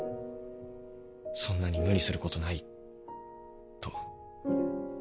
そんなに無理することないと。